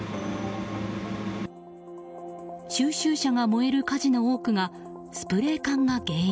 収集車が燃える火事の多くがスプレー缶が原因。